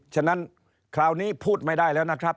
ฉะนั้นคราวนี้พูดไม่ได้แล้วนะครับ